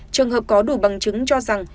trường hợp có đủ bằng chứng cho rằng